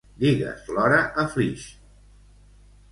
Digues l'hora a Flix.